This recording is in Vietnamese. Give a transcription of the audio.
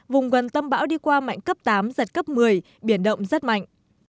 vùng gần tâm bão đi qua mạnh cấp tám giật cấp một mươi biển động rất mạnh